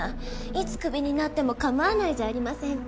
いつクビになっても構わないじゃありませんか。